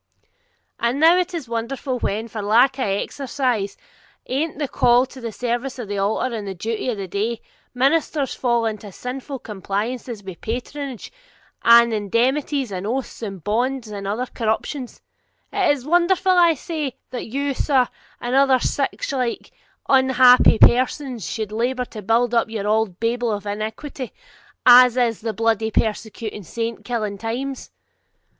'And now is it wonderful, when, for lack of exercise anent the call to the service of the altar and the duty of the day, ministers fall into sinful compliances with patronage, and indemnities, and oaths, and bonds, and other corruptions, is it wonderful, I say, that you, sir, and other sic like unhappy persons, should labour to build up your auld Babel of iniquity, as in the bluidy persecuting saint killing times?